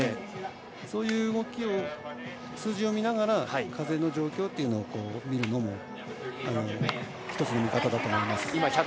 そういう数字を見ながら風の状況を見るのも１つの見方だと思います。